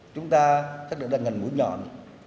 chúng ta chắc đã đang ngành mũi nhọn